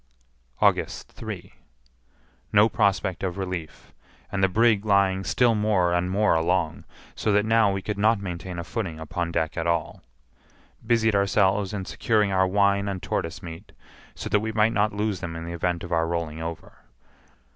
August 3. No prospect of relief, and the brig lying still more and more along, so that now we could not maintain a footing upon deck at all. Busied ourselves in securing our wine and tortoise meat, so that we might not lose them in the event of our rolling over.